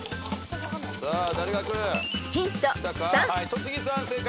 戸次さん正解。